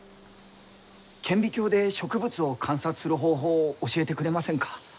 顕微鏡で植物を観察する方法を教えてくれませんか？